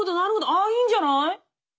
あいいんじゃない？